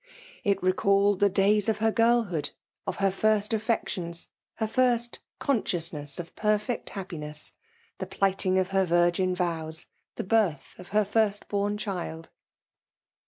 It rci •ealled ihc days of her girlhood^ of hcr^ first «Sections^ her first consciousness of perfect :hagpkie8s: the plighting of her vh*gih vowfi^ the birth of her first bom child.